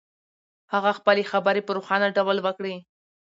هغه خپلې خبرې په روښانه ډول وکړې.